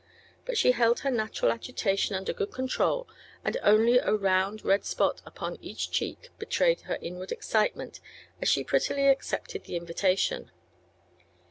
But she held her natural agitation under good control and only a round red spot Upon each cheek betrayed her inward excitement as she prettily accepted the invitation.